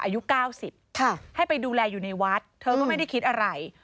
อายุ๙๐ให้ไปดูแลอยู่ในวัดเธอก็ไม่ได้คิดอะไร